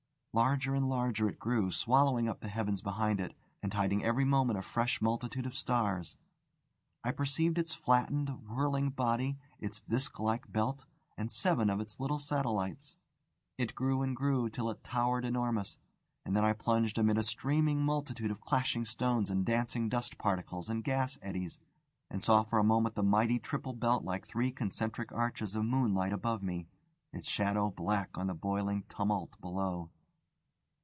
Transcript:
Larger and larger it grew, swallowing up the heavens behind it, and hiding every moment a fresh multitude, of stars. I perceived its flattened, whirling body, its disc like belt, and seven of its little satellites. It grew and grew, till it towered enormous; and then I plunged amid a streaming multitude of clashing stones and dancing dust particles and gas eddies, and saw for a moment the mighty triple belt like three concentric arches of moonlight above me, its shadow black on the boiling tumult below.